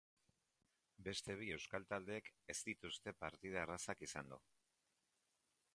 Beste bi euskal taldeek ez dituzte partida errazak izando.